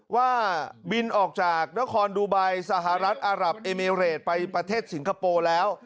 ว่าบินออกจากนครดูไบสหรัฐอารับเอเมเรดไปประเทศสิงคโปร์แล้ว